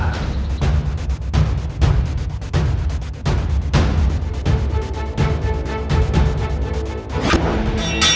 kau akan menderita